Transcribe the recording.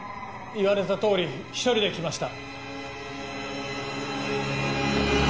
言われた通り１人で来ました。